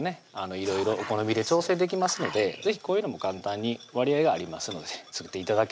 いろいろお好みで調整できますので是非こういうのも簡単に割合がありますので作って頂ければなと思います